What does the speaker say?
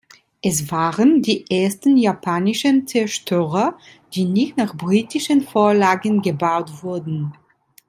Es waren die ersten japanischen Zerstörer, die nicht nach britischen Vorlagen gebaut wurden.